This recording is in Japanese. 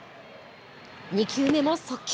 ２球目も速球。